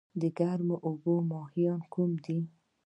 د ګرمو اوبو ماهیان کوم دي؟